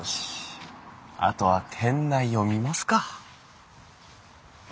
あとは店内を見ますか。